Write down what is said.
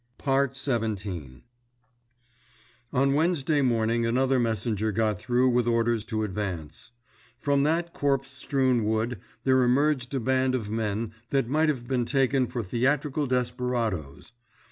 XVII On Wednesday morning another messenger got through with orders to advance. From that corpse strewn wood there emerged a band of men that might have been taken for theatrical desperadoes.